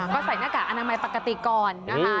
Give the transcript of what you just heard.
ก็ใส่หน้ากากอนามัยปกติก่อนนะคะ